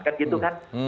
kan gitu kan